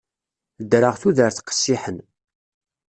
Ddreɣ tudert qessiḥen.